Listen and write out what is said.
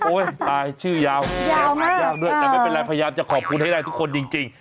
ตายชื่อยาวยาวหายากด้วยแต่ไม่เป็นไรพยายามจะขอบคุณให้ได้ทุกคนจริง